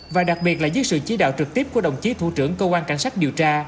và đặc biệt là dưới sự chỉ đạo trực tiếp của đồng chí thủ trưởng cơ quan cảnh sát điều tra